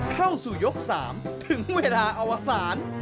เข้าสู่ยก๓ถึงเวลาอวสาร